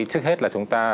trước hết là chúng ta